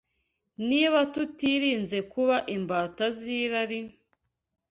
Niba tutirinze kuba imbata z’irari,